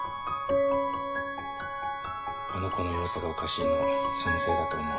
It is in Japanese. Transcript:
あの子の様子がおかしいのそのせいだと思う。